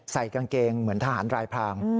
ใส่กางเกงเหมือนทหารรายพราง